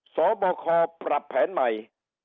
สบคปรับแผนใหม่